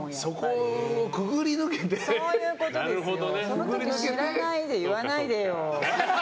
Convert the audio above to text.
そのとき知らないで言わないでよ。